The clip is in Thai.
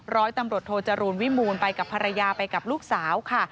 ร้อยตำรวจโทจรูลวิมูลไปกับภรรยาไปกับลูกสาวค่ะ